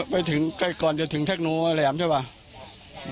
ไปถึงก่อนถึงเทคโน้มแหลมใช่ป่าว